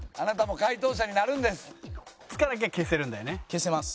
消せます。